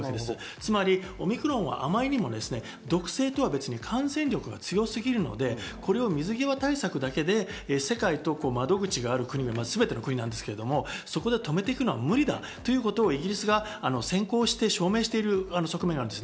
つまりオミクロンはあまりにも毒性とは別に感染力が強すぎるので、これを水際対策だけで世界の窓口、そこで止めていくのは無理だということをイギリスが先行して証明している側面があります。